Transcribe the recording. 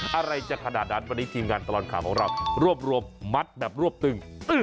อะไรจะขนาดนั้นวันนี้ทีมงานตลอดข่าวของเรารวบรวมมัดแบบรวบตึง